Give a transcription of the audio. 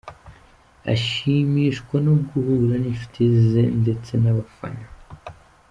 Ashimishwa no guhura n’inshuti ze ndetse n’abafana.